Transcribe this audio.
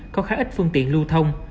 có khá ít phương tiện lưu thông